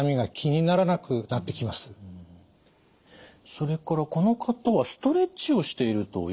それからこの方はストレッチをしているということでした。